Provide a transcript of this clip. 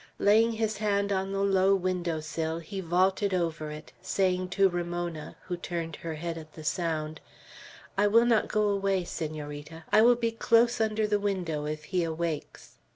Laying his hand on the low window sill, he vaulted over it, saying to Ramona, who turned her head at the sound, "I will not go away, Senorita, I will be close under the window, if he awakes."